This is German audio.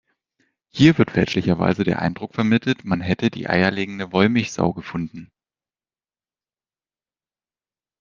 Hier wird fälschlicherweise der Eindruck vermittelt, man hätte die eierlegende Wollmilchsau gefunden.